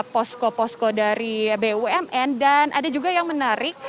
posko posko dari bumn dan ada juga yang menarik